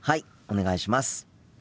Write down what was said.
お願いします。